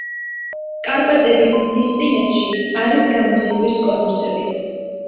კარპატების მთისწინეთში არის გამოზიდვის კონუსები.